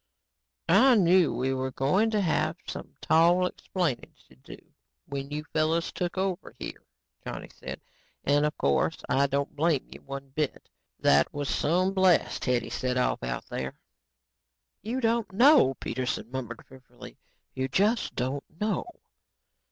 "I knew we were going to have some tall explaining to do when you fellows took over here," Johnny said, "and, of course, I don't blame you one bit. That was some blast Hetty set off out there." "You don't know," Dr. Peterson murmured fearfully, "you just don't know."